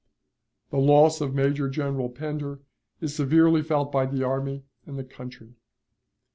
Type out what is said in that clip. "The loss of Major General Pender is severely felt by the army and the country.